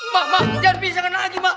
mak mak jangan pingsan lagi mak